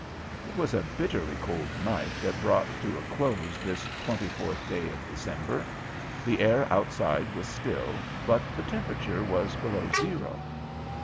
It was a bitterly cold night that brought to a close this twenty fourth day of December. The air outside was still, but the temperature was below zero.